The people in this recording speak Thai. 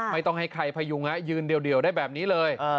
ไม่ต้องให้ใครพยุงยืนเดี่ยวได้แบบนี้เลย